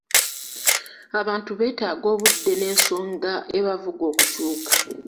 Abantu beetaaga obudde n'ensonga ebavuga okukyuka.